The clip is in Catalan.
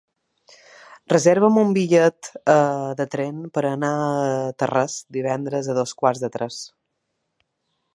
Reserva'm un bitllet de tren per anar a Tarrés divendres a dos quarts de tres.